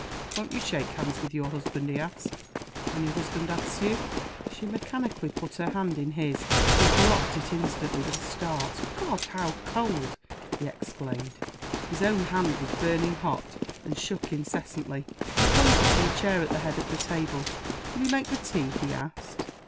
"Won't you shake hands with your husband," he asked, "when your husband asks you?" She mechanically put her hand in his. He dropped it instantly, with a start. "God! how cold!" he exclaimed. His own hand was burning hot, and shook incessantly. He pointed to a chair at the head of the table. "Will you make the tea?" he asked.